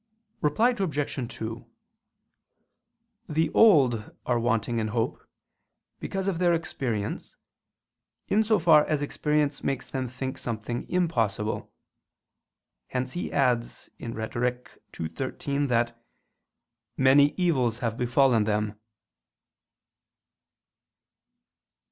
Reply Obj. 2: The old are wanting in hope because of their experience, in so far as experience makes them think something impossible. Hence he adds (Rhet. ii, 13) that "many evils have befallen them."